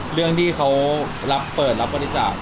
เรื่องที่เขารับประจาบอะไรอย่างนี้